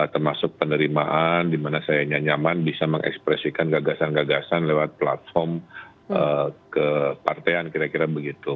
termasuk penerimaan di mana saya nyaman bisa mengekspresikan gagasan gagasan lewat platform kepartean kira kira begitu